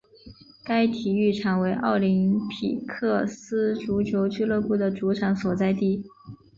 该体育场为奥林匹亚克斯足球俱乐部的主场所在地。